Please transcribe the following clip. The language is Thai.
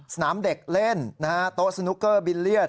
สนามเด็กเล่นโต๊ะสนุกเกอร์บิลเลียส